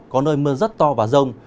có nơi mưa rất to và rông